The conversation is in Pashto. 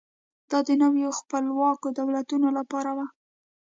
دا د نویو خپلواکو دولتونو لپاره و.